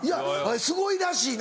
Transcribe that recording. すごいらしいな。